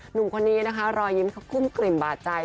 หนุ่มคนนี้นะคะรอยยิ้มเขาคุ้มกลิ่มบาดใจ